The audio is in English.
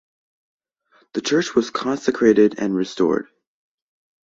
The church was consecrated and restored.